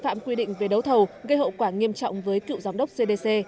phạm quy định về đấu thầu gây hậu quả nghiêm trọng với cựu giám đốc cdc